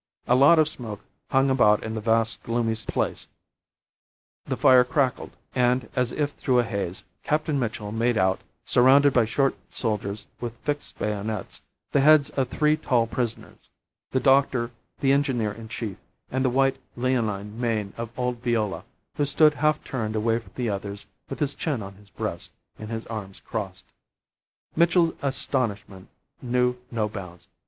A lot of smoke hung about in the vast gloomy place, the fire crackled, and, as if through a haze, Captain Mitchell made out, surrounded by short soldiers with fixed bayonets, the heads of three tall prisoners the doctor, the engineer in chief, and the white leonine mane of old Viola, who stood half turned away from the others with his chin on his breast and his arms crossed. Mitchell's astonishment knew no bounds.